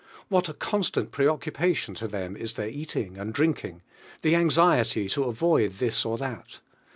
What a constant pre oecn paltion to them is their eating and drinking, the anxiety to avoid this or that!